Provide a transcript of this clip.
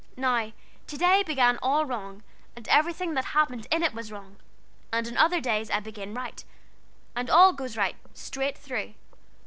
Now today began all wrong, and everything that happened in it was wrong, and on other days I begin right, and all goes right, straight through.